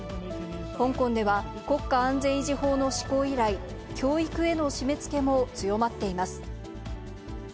香港では国家安全維持法の施行以来、教育への締めつけも強まっています。